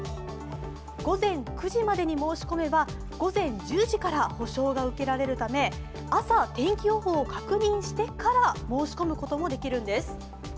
午前９時までに申し込めば午前１０時から保障が受けられるため朝、天気予報を確認してから申し込むこともできるんです。